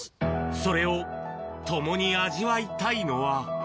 それを共に味わいたいのは。